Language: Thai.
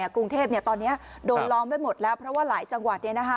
กรุงเทพตอนนี้โดนล้อมไว้หมดแล้วเพราะว่าหลายจังหวัด